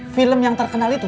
film yang terkenal itu